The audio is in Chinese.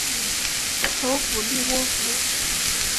首府利沃夫。